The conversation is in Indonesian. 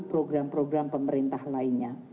program program pemerintah lainnya